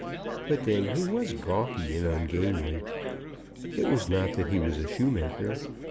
But then he was gawky and ungainly. It was not that he was a shoemaker.